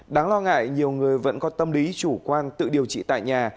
đáng lo ngại nhiều người vẫn có tâm lý chủ quan tự điều trị tại nhà